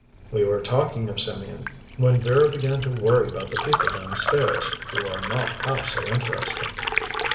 "We were talking of Symeon, when Vera began to worry about the people downstairs, who are not half so interesting."